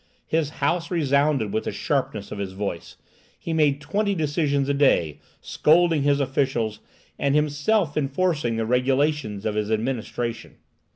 His house resounded with the sharpness of his voice. He made twenty decisions a day, scolding his officials, and himself enforcing the regulations of his administration.